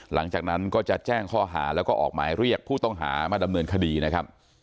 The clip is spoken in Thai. หลังจากนั้นก็จะแจ้งหาของแลยงพูดต้องเรียกมาดำเนินคดีนะครับ